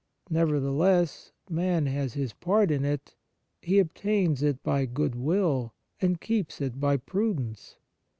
Nevertheless, man has his part in it : he obtains it by good will, and keeps it by prudence.